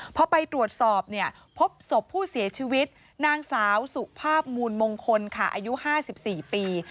พอไปตรวจสอบเนี่ยพบศพผู้เสียชีวิตนางสาวสุภาพมูลมงคลค่ะอายุ๕๔ปี